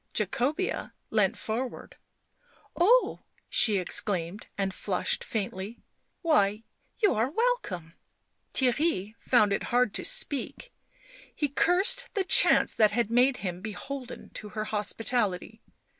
Jacobean leant forward. " Oh !" she exclaimed, and flushed faintly. " Why, you are welcome." Theirry found it hard to speak; he cursed the chance that had made him beholden to her hospitality.